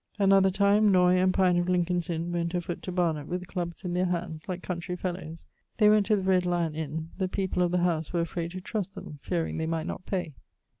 Another time Noy and Pine of Lincolne's Inne went afoot to Barnet with clubbes in their hands, like countreyfellowes. They went to the Red Lyon inne; the people of the house were afrayd to trust them, fearing they might not pay.